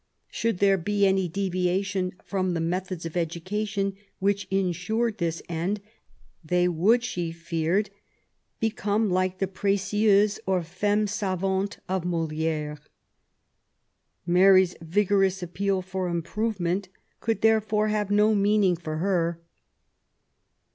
Should there be any deviation from the methods of education which insured this end, they would, she feared, become like the PrScieuses or Femmes Savantes of Moli^re. Mary's vigorous appeal for improvement could, therefore, have no meaning for her.